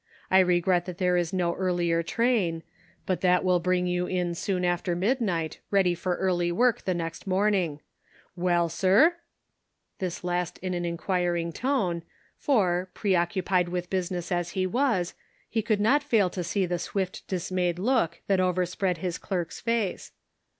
I regret that there is no earlier train ; but that will bring you in soon after midnight, ready for early work the next morning. Well, sir !" This last in an inquir ing tone ; for, pre occupied with business as he was, he could not fail to see the swift dis 338 The Pocket Measure. inayed look that overspread his clerk's face.